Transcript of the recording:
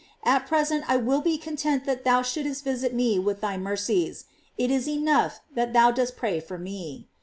At present I will be content that thou shouldst visit me with thy mercies. It is enough that thou dost pray for me.